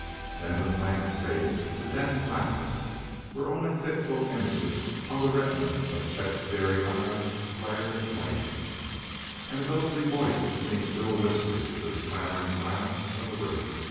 Then the flames faded to dense blackness where only fitful images on the retina of Chet's staring eyes flared and waned, and ghostly voices seemed still whispering through the clamoring silence of the room....